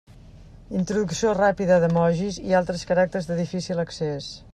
Introducció ràpida d'emojis i altres caràcters de difícil accés.